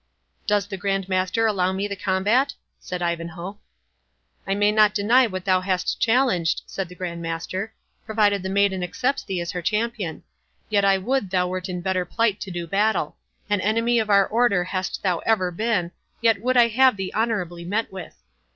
"Does the Grand Master allow me the combat?" said Ivanhoe. "I may not deny what thou hast challenged," said the Grand Master, "provided the maiden accepts thee as her champion. Yet I would thou wert in better plight to do battle. An enemy of our Order hast thou ever been, yet would I have thee honourably met with."